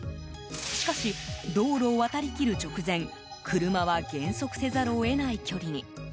しかし、道路を渡り切る直前車は減速せざるを得ない距離に。